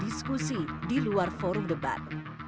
diskusi di luar forum debat